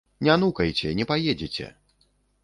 Не нукайце, не паедзеце.